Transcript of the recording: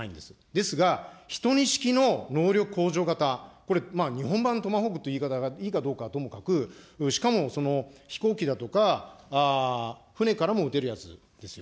ですが、１２式の能力向上型、これ、日本版トマホークという言い方がいいかどうかはともかく、しかも、飛行機だとか、船からも撃てるやつですよ。